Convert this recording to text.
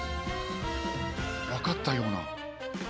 わかったような。